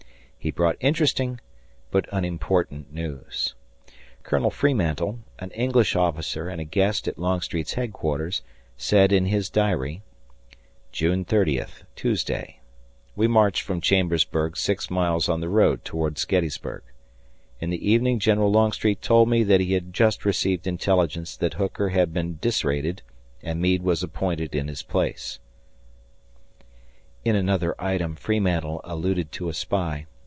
He brought interesting but unimportant news. Colonel Freemantle, an English officer and a guest at Longstreet's headquarters, said in his diary: June 30th, Tuesday. ... We marched from Chambersburg six miles on the road toward Gettysburg. In the evening General Longstreet told me that he had just received intelligence that Hooker had been disrated and Meade was appointed in his place. In another item Freemantle alluded to a spy.